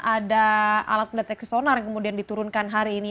ada alat deteksi sonar kemudian diturunkan hari ini